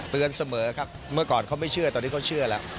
เสมอครับเมื่อก่อนเขาไม่เชื่อตอนนี้เขาเชื่อแล้ว